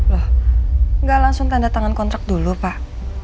loh nggak langsung tanda tangan kontrak dulu pak